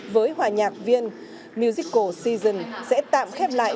với hòa nhạc viên musical season sẽ tạm khép lại